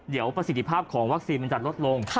เดี๋ยวประสิทธิภาพของวัคซีนมันจะลดลง